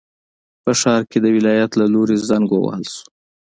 په ښار کې د ولایت له لوري زنګ ووهل شو.